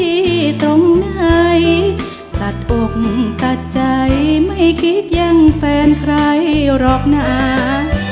ตรงไหนตัดอกตัดใจไม่คิดยังแฟนใครหรอกนะ